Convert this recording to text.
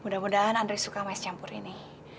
mudah mudahan andri suka mace campur ini